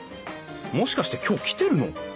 もしかして今日来てるの？